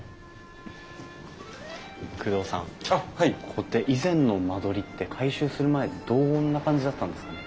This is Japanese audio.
ここって以前の間取りって改修する前どんな感じだったんですかね？